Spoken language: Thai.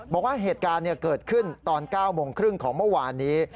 บอกว่าเหตุการณ์เกิดขึ้นตอน๙โมงครึ่งของเมื่อวานนี้